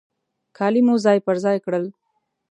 کالي مو ځای پر ځای کړل.